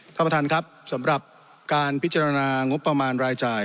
ท่านประธานครับสำหรับการพิจารณางบประมาณรายจ่าย